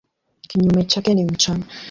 Kinyume chake ni mchana.